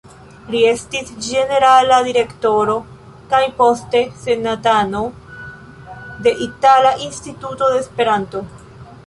Li estis ĝenerala direktoro kaj poste senatano de Itala Instituto de Esperanto.